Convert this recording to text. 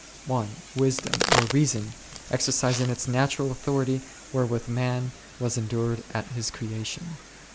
1. Wisdom or Reason exercising its natural authority, wherewith man was endued at his creation ; 2.